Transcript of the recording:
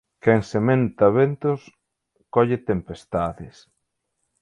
Quen sementa ventos colle tempestades.